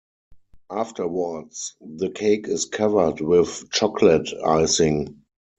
Afterwards, the cake is covered with chocolate icing.